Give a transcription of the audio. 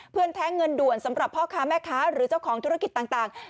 แท้เงินด่วนสำหรับพ่อค้าแม่ค้าหรือเจ้าของธุรกิจต่าง